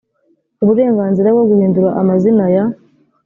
uburenganzira bwo guhidura amazina ya